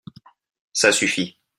Ça suffit !